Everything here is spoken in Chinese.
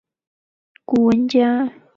明末古文家。